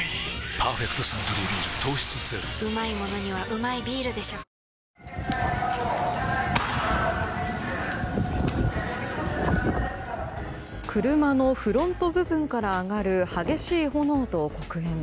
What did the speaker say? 「パーフェクトサントリービール糖質ゼロ」車のフロント部分から上がる激しい炎と黒煙。